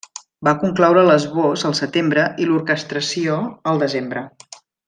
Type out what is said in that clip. Va concloure l'esbós al setembre i l'orquestració al desembre.